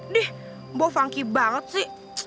dih bo funky banget sih